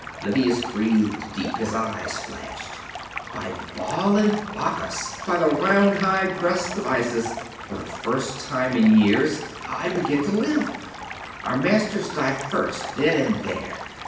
Livius breathed deep; his eyes flashed. "By Baal and Bacchus! By the round, high breasts of Isis! For the first time in years I begin to live! Our masters die first, then and there